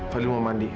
fadl mau mandi